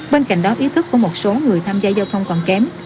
bên cạnh đó ý thức của một số người tham gia giao thông còn kém